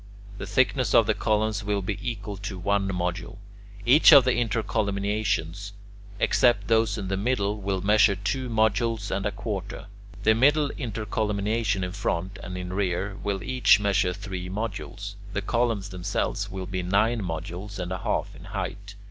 The thickness of the columns will be equal to one module. Each of the intercolumniations, except those in the middle, will measure two modules and a quarter. The middle intercolumniations in front and in the rear will each measure three modules. The columns themselves will be nine modules and a half in height.